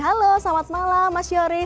halo selamat malam mas yoris